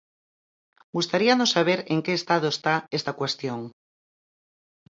Gustaríanos saber en que estado está esta cuestión.